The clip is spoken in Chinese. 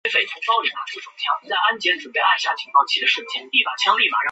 元朝时为东安州。